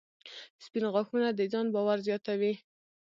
• سپین غاښونه د ځان باور زیاتوي.